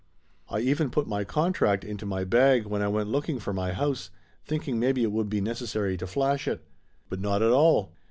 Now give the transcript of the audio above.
I even put my contract into my bag when I went looking for my house, thinking maybe it would be necessary to flash it. But not at all.